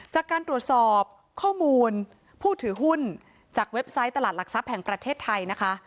จากการตรวจสอบข้อมูลผู้ถือหุ้นจากเว็บไซต์ตลาดหลักทรัพย์แห่งประเทศไทยนะคะ